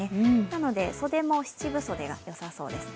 なので袖も七分袖がよさそうです。